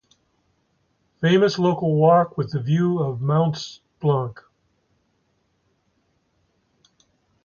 Famous local walk with a view of Mont Blanc.